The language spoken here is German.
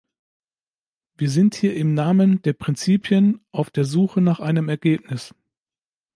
Wir sind hier im Namen der Prinzipien und auf der Suche nach einem Ergebnis.